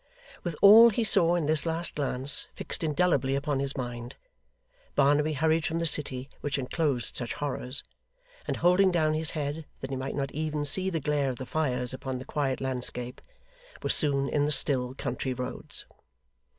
With all he saw in this last glance fixed indelibly upon his mind, Barnaby hurried from the city which enclosed such horrors; and holding down his head that he might not even see the glare of the fires upon the quiet landscape, was soon in the still country roads.